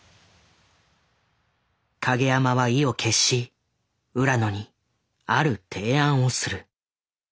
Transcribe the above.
影山は意を決し浦野にある提案をする。